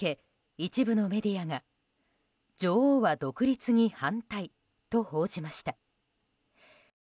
一部のメディアが女王は独立に反対と報じました。